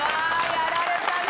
やられたね。